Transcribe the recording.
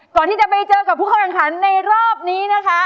ก่อนที่จะไปเจอกับผู้เข้าแข่งขันในรอบนี้นะคะ